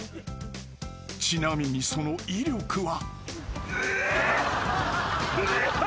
［ちなみにその威力は］